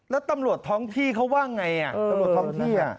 แล้วตำรวจท้องที่เขาว่าไงตำรวจท้องที่